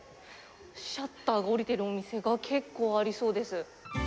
シャッターが下りてるお店が結構ありそうです。